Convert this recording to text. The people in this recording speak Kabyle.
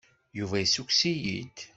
Yuba yessukkes-iyi-d.